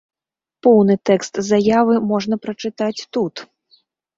Поўны тэкст заявы можна прачытаць тут.